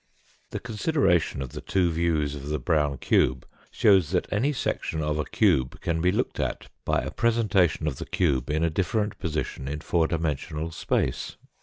The consideration of the two views of the brown cube shows that any section of a cube can be looked at by a presentation of the cube in a different position in four dimensional space.